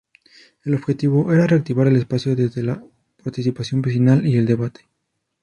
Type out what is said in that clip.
El objetivo era reactivar el espacio desde la participación vecinal y el debate.